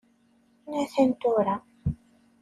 A-t-an tura!